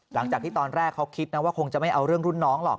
หลังจากที่ตอนแรกเขาคิดนะว่าคงจะไม่เอาเรื่องรุ่นน้องหรอก